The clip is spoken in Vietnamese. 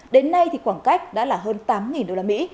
đến nay thì khoảng cách đã là hơn tám usd